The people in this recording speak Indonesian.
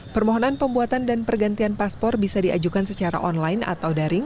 permohonan pembuatan dan pergantian paspor bisa diajukan secara online atau daring